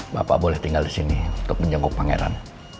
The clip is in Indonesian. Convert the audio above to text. bapak boleh tinggal di sini untuk menjenguk pangeran